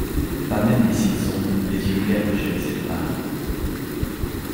Pas même les cils sombres, les yeux clairs que chérissait ton mari.